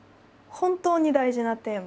「本当に大事なテーマ」。